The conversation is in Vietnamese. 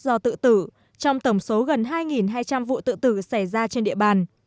do tự tử trong tổng số gần hai hai trăm linh vụ tự tử xảy ra trên địa bàn